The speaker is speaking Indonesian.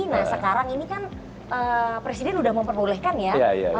nah sekarang ini kan presiden sudah memperbolehkan ya